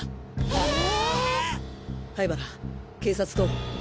ええ。